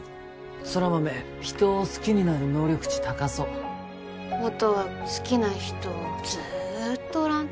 空豆人を好きになる能力値高そう音は好きな人ずっとおらんと？